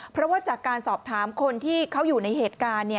เพราะว่าจากการสอบถามคนที่เขาอยู่ในเหตุการณ์